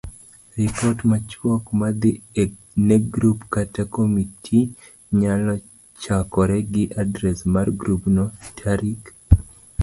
Ripot machuok madhi ne grup kata komiti nyalo chakore gi adres mar grubno, tarik